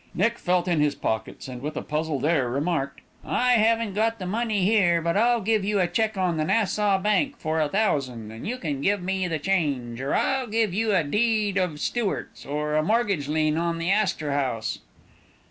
Nick felt in his pockets, and with a puzzled air remarked: "I haven't got the money here, but I'll give you a check on the Nassau Bank for a thousand, and you can give me the change; or I'll give you a deed of Stewart's, or a mortgage lien on the Astor House."